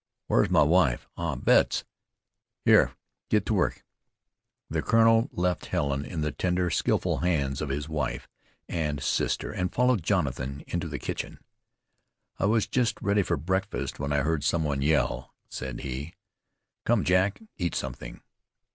Where's my wife? Ah! Bess, here, get to work." The colonel left Helen in the tender, skilful hands of his wife and sister, and followed Jonathan into the kitchen. "I was just ready for breakfast when I heard some one yell," said he. "Come, Jack, eat something."